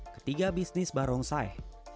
ketiga bisnis barongsai